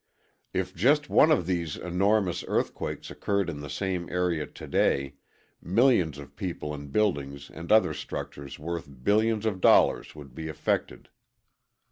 If just one of these enormous earthquakes occurred in the same area today, millions of people and buildings and other structures worth billions of dollars would be affected.